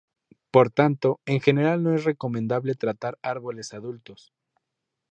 Por tanto, en general no es recomendable tratar árboles adultos.